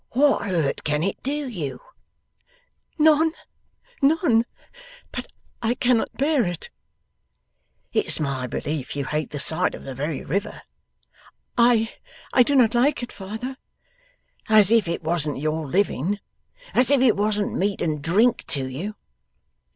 'What hurt can it do you?' 'None, none. But I cannot bear it.' 'It's my belief you hate the sight of the very river.' 'I I do not like it, father.' 'As if it wasn't your living! As if it wasn't meat and drink to you!